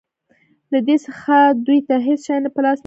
له دې څخه دوی ته هېڅ شی په لاس نه ورځي.